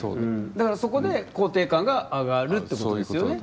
だから、そこで肯定感が上がるっていうことですよね。